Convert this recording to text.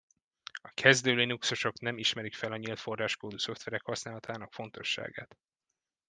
A kezdő Linuxosok nem ismerik fel a nyílt forráskódú szoftverek használatának fontosságát.